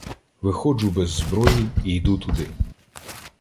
Виходжу без зброї і йду туди.